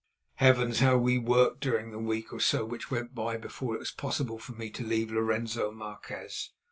Heavens! how we worked during the week or so which went by before it was possible for me to leave Lorenzo Marquez.